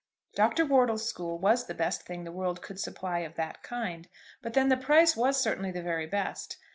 Dr. Wortle's school was the best thing the world could supply of that kind, but then the price was certainly the very best.